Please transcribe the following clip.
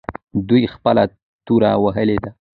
دوی خپله توره وهلې ده.